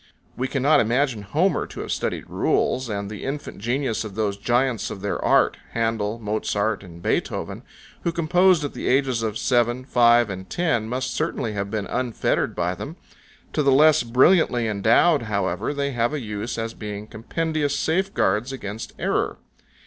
We cannot imagine Homer to have studied rules, and the infant genius of those giants of their art, Handel, Mozart, and Beethoven, who composed at the ages of seven, five, and ten, must certainly have been unfettered by them: to the less brilliantly endowed, however, they have a use as being compendious safeguards against error.